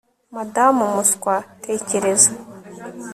Madamu umuswa tekereza